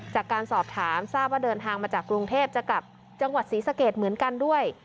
จากการสอบถามทราบว่าเดินทางมาจากกรุงเทพจะกลับจังหวัดศรีสะเกดเหมือนกันด้วย